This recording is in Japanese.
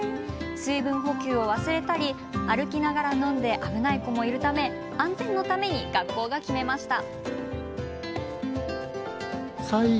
水分補給を忘れたり歩きながら飲んで危ない子もいるため安全のために学校が決めました。